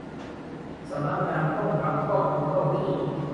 สำนักงานป้องกันควบคุมโรคที่